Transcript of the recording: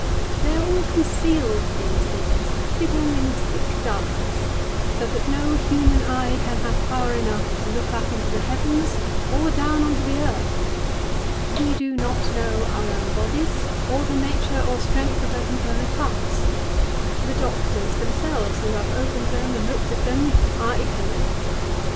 " They are all concealed, these things, hidden in thick darkness, so that no human eye can have power enough to look up into the heavens, or down on to the earth. We do not know our own bodies, or the nature or strength of their component parts. The doctors themselves, who have opened them and looked at them, are ignorant.